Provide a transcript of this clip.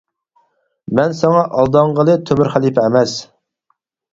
مەن ساڭا ئالدانغىلى تۆمۈر خەلىپە ئەمەس.